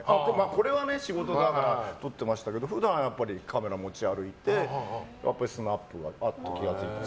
これは仕事だから撮っていましたけど普段はカメラ持ち歩いてスナップを、気が付いたら。